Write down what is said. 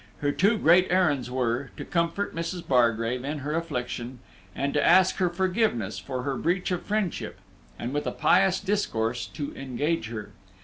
Her two great errands were, to comfort Mrs. Bargrave in her affliction, and to ask her forgiveness for her breach of friendship, and with a pious discourse to encourage her.